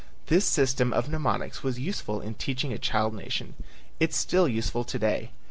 This system of mnemonics was useful in teaching a child nation. It is still useful to day.